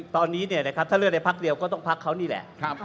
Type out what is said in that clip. ตอนนี้ถ้าเลือกได้พักเดียวก็ต้องพักเขานี่แหละ